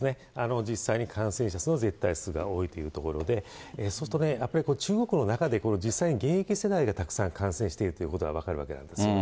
実際に感染者数の絶対数が多いということで、そうするとね、やっぱり中国の中で、実際に現役世代がたくさん感染しているということが分かるわけなんですよね。